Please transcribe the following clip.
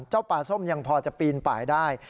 เจ้าปลาส้มยังพอจะปีนไปได้